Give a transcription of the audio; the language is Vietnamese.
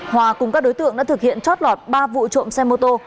hòa cùng các đối tượng đã thực hiện chót lọt ba vụ trộm xe mô tô